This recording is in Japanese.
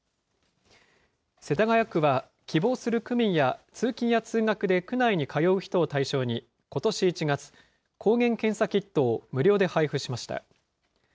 世田谷区は、希望する区民や通勤や通学で区内に通う人を対象にことし１月、抗原検査キットを無料で配布しました。